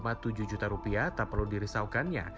rp tujuh juta tak perlu dirisaukannya